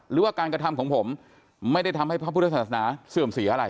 หรือว่าการกระทำของผมไม่ได้ทำให้พระพุทธศาสนาเสื่อมเสียอะไร